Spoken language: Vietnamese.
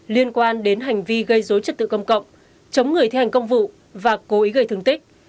liên quan đến hành vi gây dối trật tự công cộng chống người thi hành công vụ và cố ý gây thương tích